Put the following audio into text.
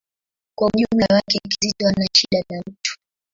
Kwa ujumla wake, Kizito hana shida na mtu.